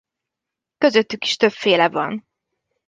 Közöttük is többféle van.